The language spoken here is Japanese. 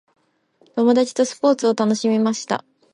友達とスポーツを楽しみました。